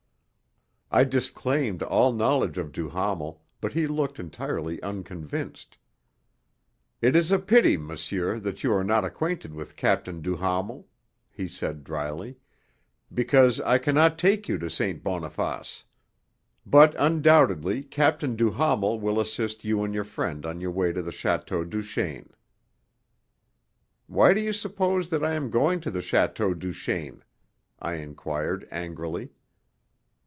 I disclaimed all knowledge of Duhamel, but he looked entirely unconvinced. "It is a pity, monsieur, that you are not acquainted with Captain Duhamel," he said dryly, "because I cannot take you to St. Boniface. But undoubtedly Captain Duhamel will assist you and your friend on your way to the Château Duchaine." "Why do you suppose that I am going to the Château Duchaine?" I inquired angrily.